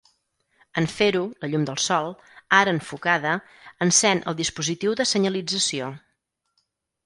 En fer-ho, la llum del sol, ara enfocada, encén el dispositiu de senyalització.